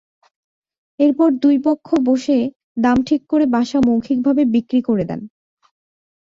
এরপর দুই পক্ষ বসে দাম ঠিক করে বাসা মৌখিকভাবে বিক্রি করে দেন।